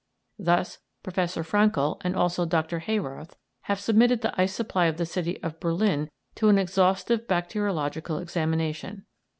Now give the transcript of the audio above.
Thus, Professor Fraenkl and also Dr. Heyroth have submitted the ice supply of the city of Berlin to an exhaustive bacteriological examination.